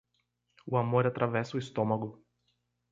O amor atravessa o estômago.